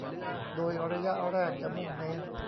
โดยระยะแรกจะมุ่งเน้น